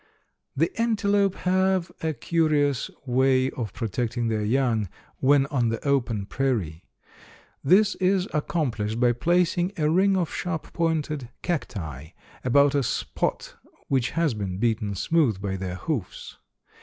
The antelope have a curious way of protecting their young, when on the open prairie. This is accomplished by placing a ring of sharp pointed cacti about a spot which has been beaten smooth by their hoofs.